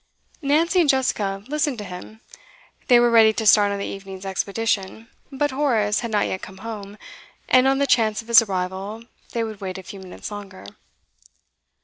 Nancy and Jessica listened to him. They were ready to start on the evening's expedition, but Horace had not yet come home, and on the chance of his arrival they would wait a few minutes longer.